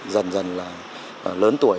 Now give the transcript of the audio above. dần dần là lớn tuổi